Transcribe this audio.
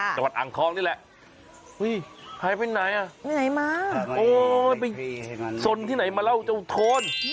จังหวัดอังคองนี่แหละหายไปไหนน่ะโอ้โฮสนที่ไหนมาแล้วเจ้าโทน